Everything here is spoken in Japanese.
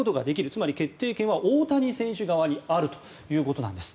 つまり、決定権は大谷選手側にあるということです。